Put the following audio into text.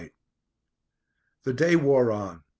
The day wore on.